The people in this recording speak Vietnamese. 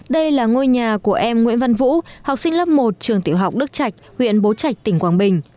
đây là ngôi nhà của em nguyễn văn vũ học sinh lớp một trường tiểu học đức trạch huyện bố trạch tỉnh quảng bình